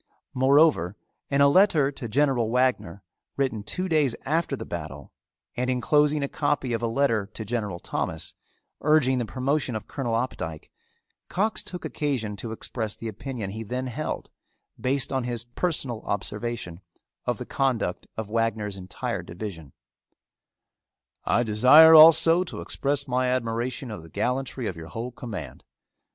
Moreover in a letter to General Wagner, written two days after the battle, and inclosing a copy of a letter to General Thomas, urging the promotion of Colonel Opdycke, Cox took occasion to express the opinion he then held, based on his personal observation, of the conduct of Wagner's entire division: I desire also to express my admiration of the gallantry of your whole command.